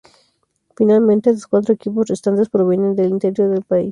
Finalmente, los cuatro equipos restantes provienen del interior del país.